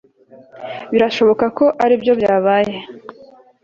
birashoboka ko aribyo byabaye